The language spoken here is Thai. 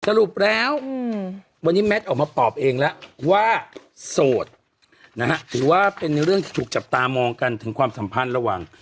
สรุปแล้ววันนี้แมทออกมาตอบเองแล้วว่าโสดนะฮะถือว่าเป็นเรื่องที่ถูกจับตามองกันถึงความสัมพันธ์ระหว่าง